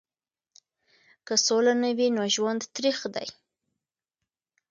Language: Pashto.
که سوله نه وي نو ژوند تریخ دی.